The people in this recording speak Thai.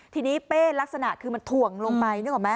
ทีนี้เป้ลักษณะคือมันถ่วงลงไป